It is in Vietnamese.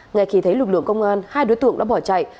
ngay khi thấy lực lượng công an hai đối tượng đã bỏ chạy